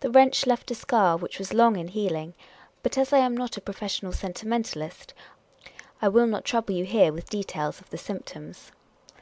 The wrench left a scar which was long in healing ; but as I am not a professional sentimentalist, I will not trouble you here with details of the symptoms.